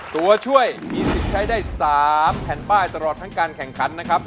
ตัวช่วยมีสิทธิ์ใช้ได้๓แผ่นป้ายตลอดทั้งการแข่งขันนะครับ